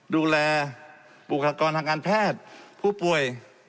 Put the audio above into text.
ดูแลบุคลากรทางการแพทย์ผู้ป่วย